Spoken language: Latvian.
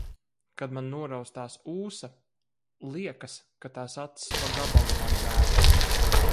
Kad man noraustās ūsa. Liekas, ka tās acis pa gabalu mani vēro.